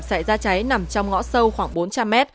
xảy ra cháy nằm trong ngõ sâu khoảng bốn trăm linh mét